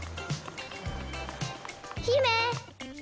姫！